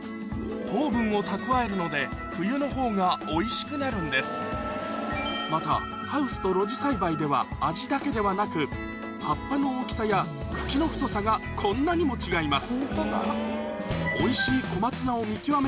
ので冬のほうがおいしくなるんですまたハウスと露地栽培では味だけではなく葉っぱの大きさや茎の太さがこんなにも違います